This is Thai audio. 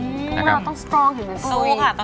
อื้อเราต้องสตรองอยู่ด้วยสู้ค่ะต้องสตรองค่ะสู้ค่ะ